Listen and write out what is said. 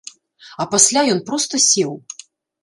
А пасля ён проста сеў.